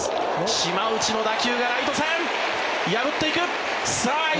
島内の打球はライト線破っていく１